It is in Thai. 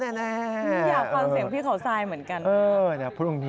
นี่อยากฟังเสียงพี่เขาทรายเหมือนกัน